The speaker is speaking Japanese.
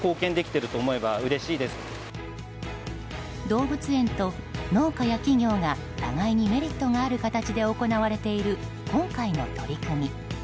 動物園と農家や企業が互いにメリットがある形で行われている今回の取り組み。